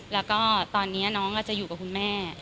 แล้วก็ตอนนี้น้องอาจจะอยู่กับคุณแม่